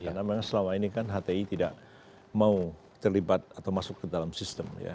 karena memang selama ini kan hti tidak mau terlibat atau masuk ke dalam sistem ya